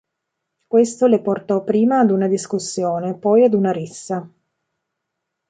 Questo le portò prima ad una discussione, poi ad una rissa.